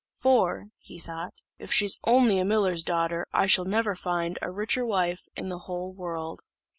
"For," he thought, "if she's only a miller's daughter I shall never find a richer wife in the whole world."